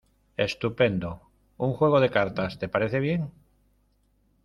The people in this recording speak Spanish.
Estupendo. ¿Un juego de cartas te parece bien?